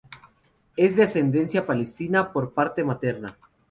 Es de ascendencia palestina por parte materna.